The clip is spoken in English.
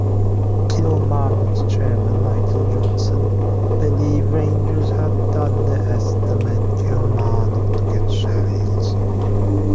Kilmarnock's chairman Michael Johnson believes Rangers had underestimate Kilmarnock to get Shiels.